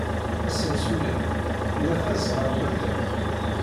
Asensu-a ila tazeɣɣa n waddal?